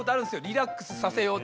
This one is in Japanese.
リラックスさせよう。